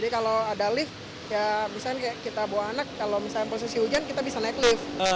kalau ada lift misalnya kita bawa anak kalau posisi hujan kita bisa naik lift